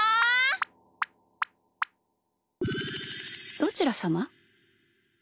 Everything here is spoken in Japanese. どちらさま？